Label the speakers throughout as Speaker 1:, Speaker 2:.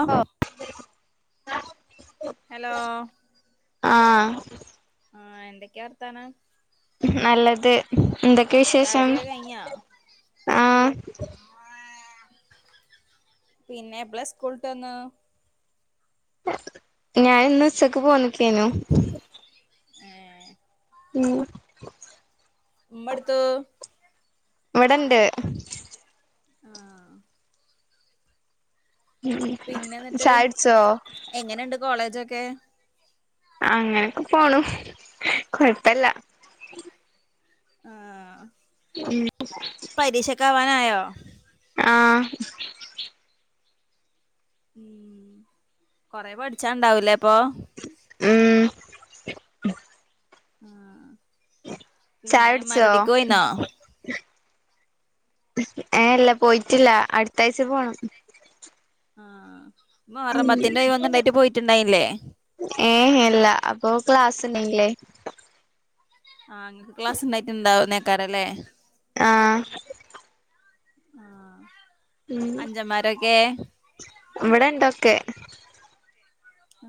Speaker 1: ആ ഹലോ
Speaker 2: ആ
Speaker 1: ആ എന്തൊക്കെയാർത്താനം
Speaker 2: നല്ലത് എന്തൊക്കെയാ വിശേഷം
Speaker 1: ചായുടിയൊക്കെ കഴിഞ്ഞോ
Speaker 2: ആ
Speaker 1: പിന്നെ എപ്പ്ളാ സ്കൂൾട്ടന്നു
Speaker 2: ഞാൻ ഇന്ന് ഉച്ചക്ക് പോന്നിക്കേനു
Speaker 1: ഏ
Speaker 2: ഉം
Speaker 1: മ്മടെത്തൂ
Speaker 2: ഇവിടണ്ട്
Speaker 1: ആ
Speaker 2: ഉം
Speaker 1: പിന്നെ എന്നിട്ട്
Speaker 2: ചായുടിച്ചോ
Speaker 1: എങ്ങനെുണ്ട് കോളേജൊക്കെ
Speaker 2: അങ്ങനൊക്കെ പോണു കൊഴപ്പല്ല
Speaker 1: ആ
Speaker 2: ഉം
Speaker 1: പരീക്ഷക്കവാനായോ
Speaker 2: ആ
Speaker 1: ഉം കൊറെ പഠിച്ചാണ്ടാവൂലേ ഇപ്പൊ
Speaker 2: ഉം
Speaker 1: ആ
Speaker 2: ചായ്ട്ച്ചോ ഏ ല്ല പോയിട്ടില്ല അടുത്ത ആഴ്ച പോണം
Speaker 1: ആ
Speaker 2: ഏ എല്ല അപ്പൊ ക്ലാസ് ന്നങ്ങളെ.
Speaker 1: ആഹ് ങ്ങക്ക് ക്ലാസ് ഉണ്ടായിട്ട്ണ്ടാവുന്നേക്കാരല്ലേ?
Speaker 2: ആ.
Speaker 1: ആ അഞ്ചമ്മരൊക്കെ.
Speaker 2: ഇവിടെ ണ്ടൊക്കെ.
Speaker 1: ആ.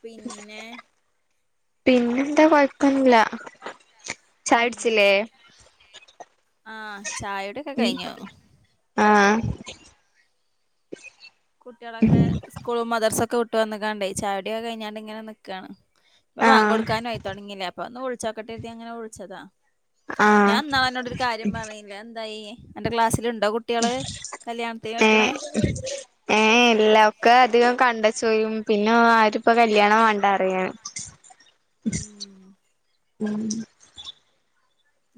Speaker 1: പിന്നെ
Speaker 2: പിന്നെന്താ കൊഴപ്പന്നില്ല.
Speaker 1: ആ ചായയുടെക്കെ കഴിഞ്ഞു.
Speaker 2: ആ.
Speaker 1: കുട്ടികളൊക്കെ സ്കൂളും മദർസൊക്കെ വിട്ട് വന്നക്കാണ്ട ചായൊടൊക്ക കഴിഞ്ഞാണ്ട് ങ്ങനെ ക്കാണ്. ഇപ്പൊ
Speaker 2: ആഹ്
Speaker 1: വാങ്കോടുക്കാനയിത്തൊടങ്ങിലെ അപ്പന്നൊള്ച്ചോക്കട്ടെ രുതി അങ്ങനെ വിളിച്ചതാ.
Speaker 2: ആഹ്
Speaker 1: ഞാൻന്നാളെ ന്നാടൊരു കാര്യം പറഞ്ഞിലേ ന്തായി? അന്റെ ക്ലാസ്സിൽണ്ടോ കുട്ടികള് കല്യാണത്തിന് പറ്റ്ണേ?
Speaker 2: ഏ എല്ലാം ഒക്കെ അധികം കണ്ട ചോലും പിന്നെ ആരിപ്പോ കല്യാണം വേണ്ടറിയാന്.
Speaker 1: ഉം
Speaker 2: ഉം.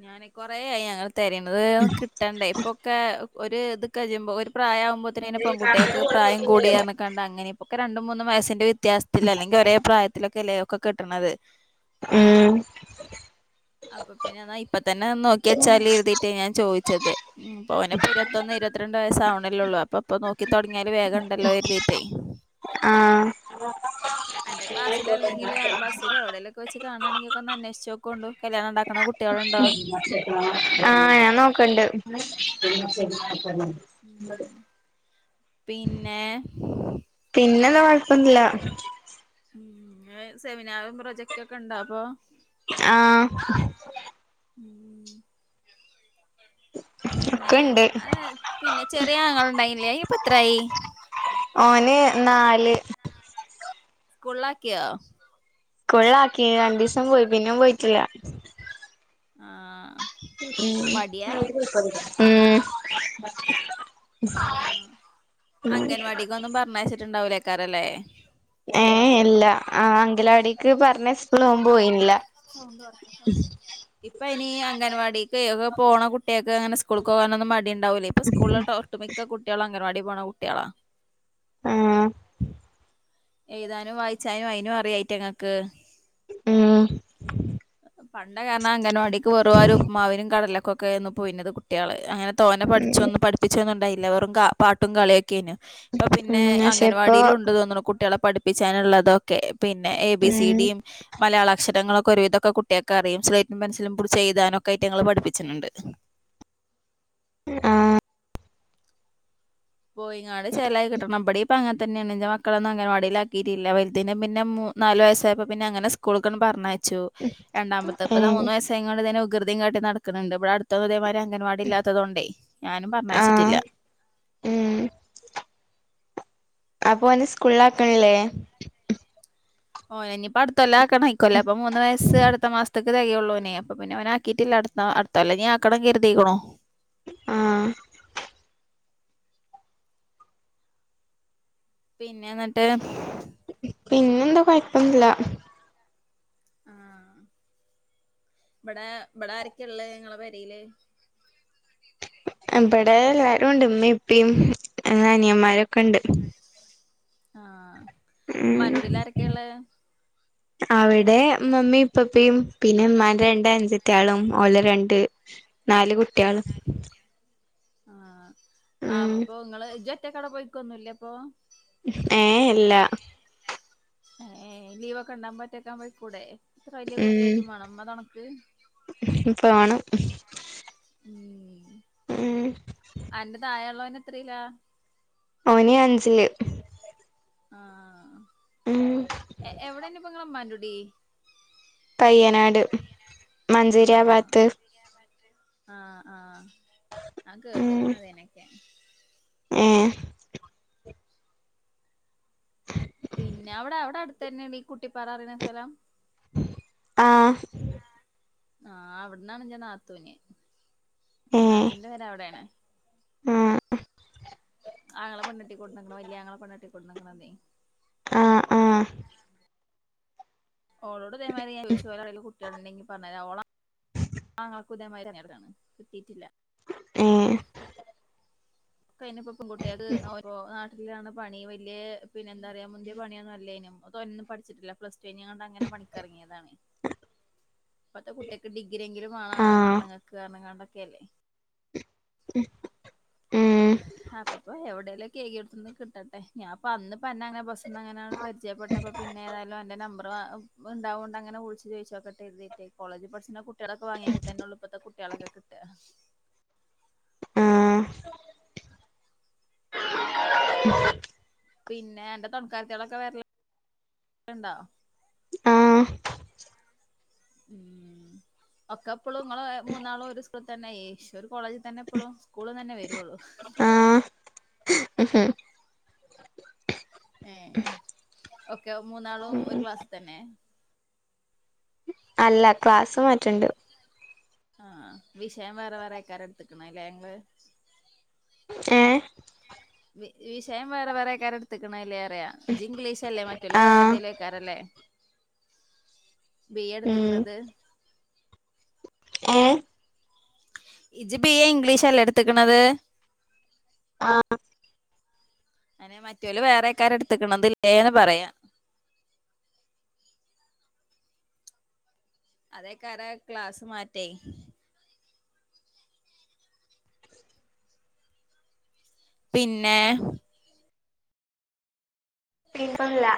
Speaker 1: ഞാൻ കൊറായി അങ്ങനെ തരിന്നത് കിട്ടണ്ടേ ഇപ്പൊക്കെ ഒരു ഇത് കഴിയുമ്പോ ഒരു പ്രായാവുമ്പോത്തേന് പെൺകട്ടികൾക്ക് പ്രായം കൂടിയർ ഞ്ക്കണ്ട് ങ്ങനെ ഇ പ്പ രണ്ട് മൂന്നു വയസിന്റെ വ്യത്യാസത്തിൽ അല്ലെങ്കിൽ ഒരേ പ്രായത്തിലൊക്കെല്ലേ ഒക്കെ കെട്ടണത്.
Speaker 2: മ്
Speaker 1: അപ്പൊ പിന്നെ ന്നാ ഇപ്പൊതന്നെ നോക്കിച്ചാൽ എരുതിറ്റ ഞാൻ ചോയ് ച്ചത് പോവന ഇപ്പോ ഇരുപത്തൊന്ന് ഇരുപത്തിരണ്ട് വയസ്സവണല്ലോള്ള അപ്പൊപ്പ നോക്കി തുടങ്ങിയല് വേഗംണ്ടല്ലോ ര്തി
Speaker 2: ആ.
Speaker 1: അന്റെ ക്ലാസ്സില അല്ലങ്കിൽ ബസ്ലോടെലൊക്കെ വെച്ച് കാണെങ്കിക്കെ ഒന്ന് അന്വേഷിച്ചോക്കണ്ട് കല്യാണം ഉണ്ടാക്കണ കുട്ടികളു
Speaker 2: ആഹ് ഞാൻ [unintelligible]
Speaker 1: പിന്നെ
Speaker 2: പിന്നെന്താ കൊഴപ്പന്നുല്ല
Speaker 1: സെമിനാറും പ്രൊജക്ടക്കെണ്ടപ്പൊ?
Speaker 2: ആ.
Speaker 1: [unintelligible]
Speaker 2: ഒക്കെ
Speaker 1: പിന്നെ
Speaker 2: ഇണ്ട്
Speaker 1: ആ പിന്നെ ചെറിയങ്ങളണ്ടായില്ലേ അയ്ൻ ഇപ്പെത്രായി?
Speaker 2: ഓന് ഇന്നാ
Speaker 1: സ്കൂളിലാക്യോ?
Speaker 2: കൊള്ളാക്കി രണ്ടുസം പോയി പിന്നേ പോയിട്ടില്ല.
Speaker 1: ആ
Speaker 2: മ് ഇങ്ങൾ അതിലി കൂടുതൽ പറഞ്ഞിലെ മ്
Speaker 1: അ അംഗൻവാടിക്കൊന്നും പറഞ്ഞച്ചിട്ടുണ്ടാവൂലേക്കാരല്ലേ?
Speaker 2: ഏ ഇല്ല ആ അങ്കലടിക്ക് പറഞ്ഞചിട്ട് ഓൻ പോയിനില്ല.
Speaker 1: ഇപ്പൊ ഇനി അംഗൻവാടി ക്കെ പോണ കുട്ടിക്കങ്ങനെ സ്കൂൾക്കോനൊന്നും മടിണ്ടാവുലെ ഇപ്പസ്കൂളിൽതോ ഒട്ടുമിക്ക കുട്ടികള അങ്ങവാടി പോണ കുട്ടിയളാ.
Speaker 2: ആഹ
Speaker 1: എഴുതാനും വായിച്ചാനും അയിനുംഅറിയായിറ്റങ്ങക്ക്.
Speaker 2: മ്.
Speaker 1: പണ്ട കാരണം അങ്ങൻവാടിക്ക് വെറോര്പ്പമാവിനും കടലൊക്കൊക്കൊരുന്നു പോയിണത് കുട്ടള് അങ്ങനെ. തോനെ പഠിച്ചൊന്നും പഠിപ്പിച്ചൊന്നുംണ്ടായില്ലാ വെറും കാ പാട്ടും കളിയൊക്കെ കെനു ഇപ്പൊ പിന്നെ
Speaker 2: ഉം പക്ഷെ ഇപ്പൊ
Speaker 1: അംഗൻവാടിലുണ്ട് തോന്നണു കുട്ടികളെ പഠിപ്പിച്ചാനുള്ളതൊക്കെ. പിന്നെ എ ബി സി
Speaker 2: ഉം
Speaker 1: ഡിയും. മലയാള അക്ഷരങ്ങളൊക്കെ ഒരുവിധൊക്കെ കുട്ടികക്കെറിം സ്ലൈറ്റും പെൻസിലും പുട്ചെയ്താനൊക്കറ്റങ്ങളെ പഠിപ്പിച്ണ് ണ്ട്. [inaudible]
Speaker 2: മ് ആ
Speaker 1: പോയിങ്ങാട് ചെലായികിട്ടണം ഇവടിം ഇപ്പോ അങ്ങനെ തന്നെയാണ് ന്റെ മക്കളൊന്നും അങ്ങനെ വടിയിലാക്കിയിട്ടില്ല വാല്തിന പിന്ന മൂന്ന് നാല് വയസായപ്പോ പിന്നെ അങ്ങെന സ്കൂൾകൊന്നും പർനയച്ച ച്ചു രണ്ടാമത്തെപ്പതാ
Speaker 2: ഏഹ്
Speaker 1: മൂന്ന് വയസ്സായൊണ്ട് ഇതിനെ വൃകൃതിയും കാട്ടി നടക്കുന്നുണ്ട് ഇടെ അടുത്തുതെവര അങ്ങനവാടില്ലാത്തതോണ്ടേ ഞാനും പറഞ്ഞയച്ചിട്ടില്ല
Speaker 2: ആഹ് ഉം അപ്പൊ ഓനെ സ്കൂളിൽ അകണില്ലേ
Speaker 1: ഓ ഇനിയിപ്പൊ അടുത്തല്ല ആക്കണം ആയിോല്ലേ അപ്പൊ മൂന്ന് വയസ്സ് അടുത്ത മാസത്തെക്ക് തകയോള്ളൂ ഇനി അപ്പൊ പിന്നെ അവനെ ആക്കിട്ടില്ല അടുത്ത കൊല്ലം ഇനി ആകക്കണം [unintelligible] കരുതീക്ക്ണു
Speaker 2: ആഹ്
Speaker 1: പിന്നെ എന്നിട്ട്
Speaker 2: പിന്നെന്താ കോയപ്പന്നുല്ല
Speaker 1: ആഹ് ഇവിടെ ഇവിടെ ആരക്കെള്ളെ ഇങ്ങളെ പെരീല്
Speaker 2: ആ ഇവിടെ എല്ലാരുണ്ട് ഇമ്മീം ഇപ്പി ആഅനിയന്മാരൊക്കെ ഉണ്ട്
Speaker 1: ആഹ
Speaker 2: ഉം
Speaker 1: മ്മന്റെകുടീല് ആരൊക്കെയ ഉള്ളെ
Speaker 2: അവിടെ മമ്മി ഇപ്പപ്പി പിന്നെ ഇമ്മാന്റെ രണ്ട് അൻഞ്ചതിയാളും ഒലെ രണ്ട് നാല് കുട്ടിയാളും
Speaker 1: ആഹ അപ്പൊ ഇങ്ങള് ഇജ്ജ്ഒറ്റക്ക് അവിടെ പോയിനിക്കലൊന്നും ല്ലെ അപ്പൊ
Speaker 2: ഏ അല്ല
Speaker 1: ഏ ലീവൊക്കെ ഉണ്ടാവുമ്പോ ഒറ്റക്കാണ്ട് പോയികൂടെ
Speaker 2: ഉം പോണം
Speaker 1: ഉം
Speaker 2: ഉം
Speaker 1: അന്റെ തായെള്ളോന് എത്രലാ
Speaker 2: ഓന് അഞ്ചില്
Speaker 1: ആ
Speaker 2: ഉം
Speaker 1: എവിടെന്നപ്പം ഇങ്ങളെ മ്മാന്റെ കുടി
Speaker 2: പയ്യനാട് മഞ്ചേരി ആബാത്‌
Speaker 1: ആഹ ആഹ് ആ കേട്ടക്കണതനൊക്കെ
Speaker 2: ഏ
Speaker 1: തെന്നെടി കുട്ടി പാറ പറയുന്ന സ്ഥലം
Speaker 2: ആഹ
Speaker 1: ആഹ അവിടന്നാണ് എന്റെ നാത്തൂന് നാത്തൂന്റെ പെര അവിടെയാണ്
Speaker 2: ആഹ
Speaker 1: ആങ്ങള പെണ്ണേട്ടികൊടുന്നക്കണ് വല്ല്യ ആങ്ങള പെണ്ണേട്ടികൊടുന്നക്ക്ണ്ന്നെ
Speaker 2: ആഹ് ആഹ്
Speaker 1: ഓളോട് ഇതെമാരി ഞാൻ ചോയിച്ചു ഓളെ കയ്യിൽ കുട്ടികള ഉണ്ടെങ്കി പറഞ്ഞരാൻ ഓള ആങ്ങൾകും ഇതെമരിതന്നേണ് കിട്ടീട്ടില്ല
Speaker 2: ഏ
Speaker 1: കഴിഞ്ഞപ്പൊ പെൺകുട്ടികള് ഓരോ നാട്ടിലാണ് പണി വല്ല്യ പിന്നെ എന്താറിയോ മുന്തിയ പണിയൊന്നും അല്ലേനും ഒന്നും പഠിച്ചിട്ടില്ല പ്ലസ് ടു കഴിഞ്ഞുട്ട അങ്ങനെ പണിക്കിറങ്ങിയതാണ് ഇപ്പത്തെ കുട്ടിയക്ക് ഡിഗ്രിെങ്കിലും വേണ
Speaker 2: ആഹ്
Speaker 1: ആണുങ്ങക്ക് [unintelligible]
Speaker 2: ഹമ്
Speaker 1: ആ ഇപ്പപ്പം എവ എവിടേലൊക്കെ ഏകിയോട്ത്തുന്ന് കിട്ടട്ടെ ഞാപ്പം അന്ന്പ്പം അന്നെ അങ്ങനെ ബസ്സിന്ന് അങ്ങനെ പരിജയപെട്ടപ്പോ പിന്നെ ഏതായാലും അന്റെ ന നമ്പർ ഉണ്ടാവുകൊണ്ട് അങ്ങനെ വിളിച്ചു ചോയിച്ചോക്കട്ടെ കരുതിയിട്ടേ കോളേജി പഠിചിന കുട്ടികളക്കെ വാങ്ങിയങ്ക തന്നെ ഉള്ളു ഇപ്പത്തെ കുട്ടിയാളൊക്കെ കിട്ട
Speaker 2: ആഹ്
Speaker 1: പിന്നെ അന്റെ തൊണക്കാർത്യാളൊക്കെ വരലു ണ്ടോ
Speaker 2: ആഹ്
Speaker 1: ഉം ഒക്കെ ഇപ്പൊളും ഇങ്ങളെ മൂന്നാളും ഒരു സ്കൂളിൽ തന്നെ ശ് ഒരു കോളേജിൽ തന്നെ ഇപ്പൊളും സ്കൂൾ തന്നെ വരുള്ളു [inaudible]
Speaker 2: ഹ്
Speaker 1: ഏ ഒക്കെ മൂന്നാളും ഒരു
Speaker 2: ഉം
Speaker 1: ക്ലാസ്സ് തന്നെ
Speaker 2: അല്ല ക്ലാസ്സ് മാറ്റണ്ട്
Speaker 1: ആഹ് വിഷയം വേറെ വേറെ ക്കാരെട്ത്ത്ക്ക്ണ് ല്ലേ ങ്ങള്
Speaker 2: ഏഹ്
Speaker 1: വി വിഷയം വേറെ വേറെയ്ക്കാരട്തക്കണേ ലെ റിയ. ഇജ്ജ് ഇംഗ്ലീഷ് അല്ലേ മറ്റോല് വേറെ
Speaker 2: ആഹ്
Speaker 1: തെലോയ്ക്കാരലെ ബി
Speaker 2: ഉം
Speaker 1: എടുത്ത്ക്കണത്
Speaker 2: ഏഹ്
Speaker 1: ഇജ്ജ് ബി എ ഇംഗ്ലീഷല്ലേ എടുത്ത്ക്കണത്
Speaker 2: ആഹ്
Speaker 1: അനെ മറ്റോല് വേറെക്കാര്ട്ത് ക്കണലെന്ന് പറയാ അതേക്കാര ക്ലാസ് മാറ്റേ പിന്നെ
Speaker 2: പിന്നല്ല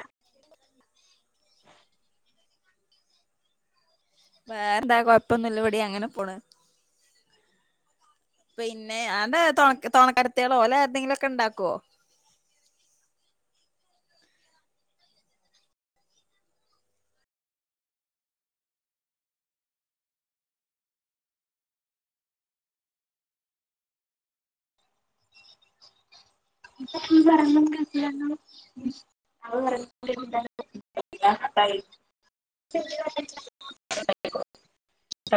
Speaker 1: വേറെന്താ കൊഴപ്പൊന്നും ഇല്ലവിടി അങ്ങനെ പോണ് പിന്നെ അന്ത തൊണ തൊണക്കാര്ത്യേ ള് ഓലെ ആര്തെങ്കിലും ഒക്കെ ഇണ്ടാക്കുവോ [inaudible]
Speaker 2: [unintelligible] [inaudible]